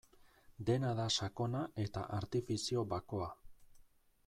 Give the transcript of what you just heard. Dena da sakona eta artifizio bakoa.